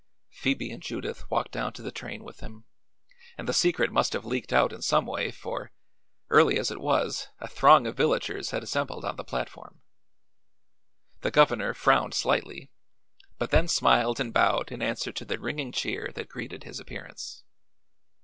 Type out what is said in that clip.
Phoebe and Judith walked down to the train with him and the secret must have leaked out in some way for, early as it was, a throng of villagers had assembled on the platform. The governor frowned slightly, but then smiled and bowed in answer to the ringing cheer that greeted his appearance.